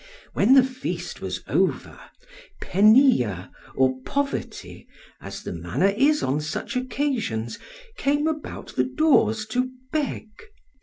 When the feast was over, Penia or Poverty, as the manner is on such occasions, came about the doors to beg.